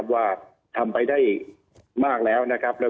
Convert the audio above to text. ว่าทำไปได้มากแล้ว